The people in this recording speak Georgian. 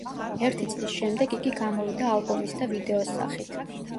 ერთი წლის შემდეგ იგი გამოვიდა ალბომის და ვიდეოს სახით.